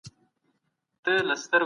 د تولید کچه کله لوړیږي؟